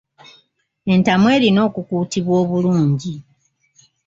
Entamu erina okukuutibwa obulungi.